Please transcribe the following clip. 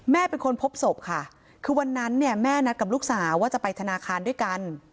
เป็นคนพบศพค่ะคือวันนั้นเนี่ยแม่นัดกับลูกสาวว่าจะไปธนาคารด้วยกัน